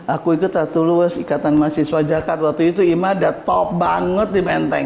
aku ikut ratu luas ikatan mahasiswa jakarta waktu itu ima ada top banget di menteng